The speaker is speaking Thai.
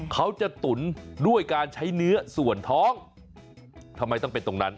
ตุ๋นด้วยการใช้เนื้อส่วนท้องทำไมต้องเป็นตรงนั้น